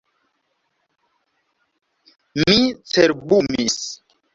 Mi cerbumis.